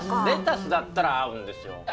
レタスだったら合うんですよ。